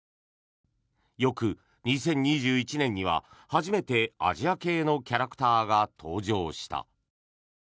翌２０２１年には初めてアジア系のキャラクターが登場した。